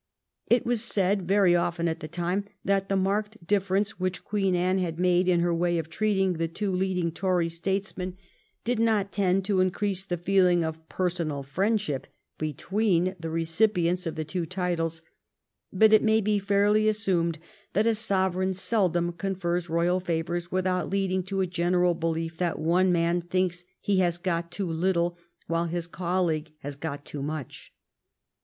It was said very often, at the time, that the marked difference which Queen Anne had made in her way of treating the two leading Tory statesmen did not tend to increase the feeling of per ,«a 387 THE REIGN OF QUEEN ANNE sonal friendship between the recipients of the two titles, but it may be fairly assumed that a sovereign seldom confers royal favors without leading to a gen eral belief that one man thinks he has got too little, while his colleague has got too much.